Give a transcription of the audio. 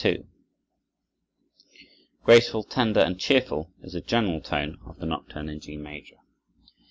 2 Graceful, tender, and cheerful is the general tone of the Nocturne in G major.